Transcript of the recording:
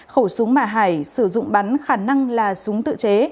khẩu súng mà hải sử dụng bắn khả năng là súng tự chế